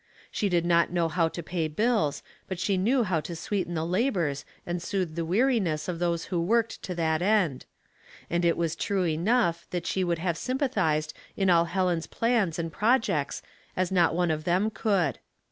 She did not know how to pay bills, but she knew how to sweeten the labors and soothe the weariness of those who worked to that end ; and it was true enough that she would have sympathized in all Helen's plans and pro jects as not one of them could.